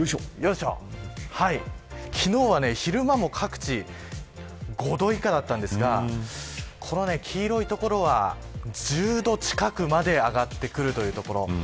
昨日は昼間も各地５度以下だったんですが黄色い所は１０度近くまで上がってくるというところ。